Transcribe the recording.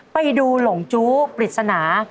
ไปดูหลงจู้ปริศนา